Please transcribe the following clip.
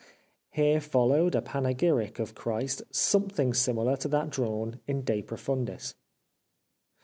(Here followed a panegyric of Christ something similar to that drawn in De Profundis.")